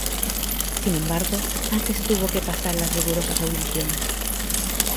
Sin embargo, antes tuvo que pasar las rigurosas audiciones.